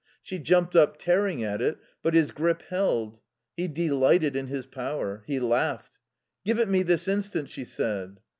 She jumped up, tearing at it, but his grip held. He delighted in his power. He laughed. "Give it me this instant," she said.